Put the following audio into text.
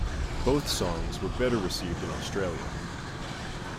Both songs were better received in Australia.